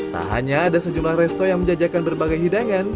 tak hanya ada sejumlah resto yang menjajakan berbagai hidangan